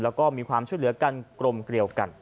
แล้วก็มีความช่วยเหลือกันกลมเกลียวกัน